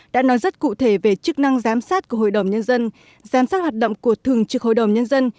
đã nói rất cụ thể về chức năng giám sát của hội đồng nhân dân giám sát hoạt động của thường trực hội đồng nhân dân